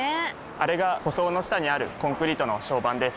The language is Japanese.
あれが舗装の下にあるコンクリートの床版です。